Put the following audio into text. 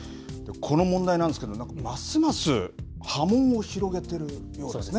この問題なんですけれども、ますます波紋を広げているようですね。